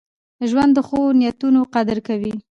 ژوند د ښو نیتونو قدر کوي.